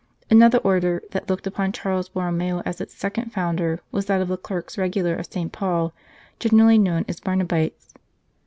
Another Order that looked upon Charles Bor romeo as its second founder was that of the Clerks Regular of St. Paul, generally known as Barnabites.